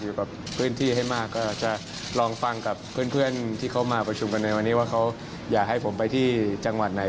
อยู่กับพื้นที่ให้มากก็จะลองฟังกับเพื่อนที่เขามาประชุมกันในวันนี้ว่าเขาอยากให้ผมไปที่จังหวัดไหน